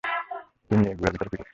তুমি এই গুহার ভেতর কি করছো?